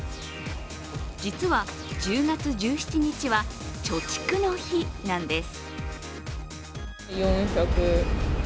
実は、１０月１７日は貯蓄の日なんです。